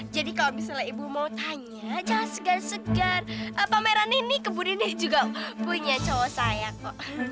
jadi kalau misalnya ibu mau tanya jangan segar segar pameran ini kebudinnya juga punya cowok saya kok